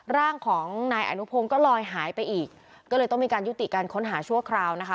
ร่างของนายอนุพงศ์ก็ลอยหายไปอีกก็เลยต้องมีการยุติการค้นหาชั่วคราวนะคะ